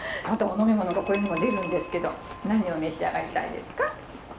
またお飲み物がこれにも出るんですけど何を召し上がりたいですか？